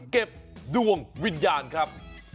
เก็บดวงวิญญาณครับ